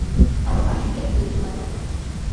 তারপর পানি শুকিয়ে একটি যমীনে রূপান্তরিত করেন।